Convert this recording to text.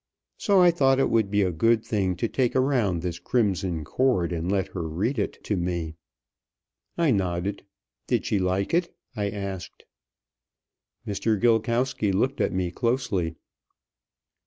So I thought it would be a good thing to take around this 'Crimson Cord' and let her read it to me." I nodded. "Did she like it?" I asked. Mr. Gilkowsky looked at me closely.